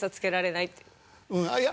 いや。